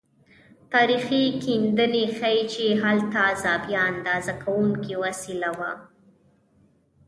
تاریخي کیندنې ښيي چې هلته زاویه اندازه کوونکې وسیله وه.